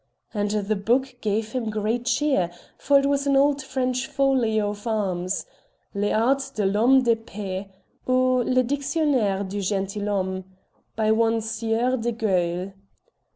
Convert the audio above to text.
And the book gave him great cheer, for it was an old French folio of arms, "Les Arts de l'Homme d'Epée; ou, Le Dictionnaire du Gentilhomme," by one Sieur de Guille.